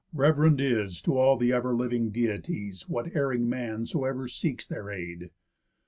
Rev'rend is To all the ever living Deities What erring man soever seeks their aid.